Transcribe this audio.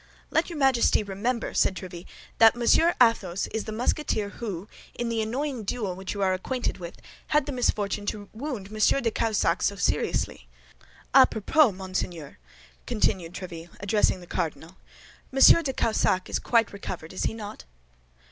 "Let your Majesty remember," said Tréville, "that Monsieur Athos is the Musketeer who, in the annoying duel which you are acquainted with, had the misfortune to wound Monsieur de Cahusac so seriously. A propos, monseigneur," continued Tréville, addressing the cardinal, "Monsieur de Cahusac is quite recovered, is he not?"